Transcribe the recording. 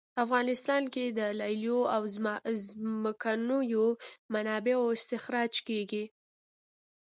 افغانستان کې د لیلیو او ځمکنیو منابعو استخراج کیږي